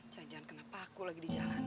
jangan jangan kenapa aku lagi di jalan